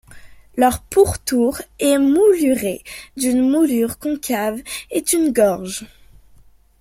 Leur pourtour est mouluré d'une moulure concave et d'une gorge.